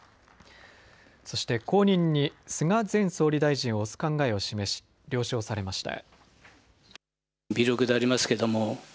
そして後任に菅前総理大臣を推す考えを示し了承されました。